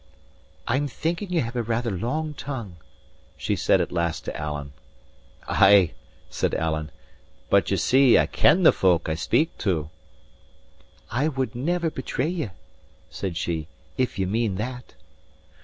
"I'm thinking ye have rather a long tongue," she said at last to Alan. "Ay" said Alan; "but ye see I ken the folk I speak to." "I would never betray ye," said she, "if ye mean that."